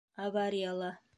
Аварияла.